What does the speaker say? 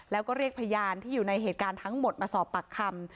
แล้วก็เรียกพยานที่อยู่ในเหตุการณ์ทั้งหมดมาสอบปากคำ